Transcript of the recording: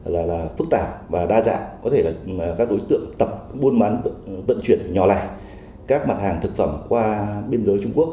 là phức tạp và đa dạng có thể là các đối tượng tập buôn bán vận chuyển nhỏ lẻ các mặt hàng thực phẩm qua biên giới trung quốc